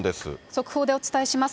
速報でお伝えします。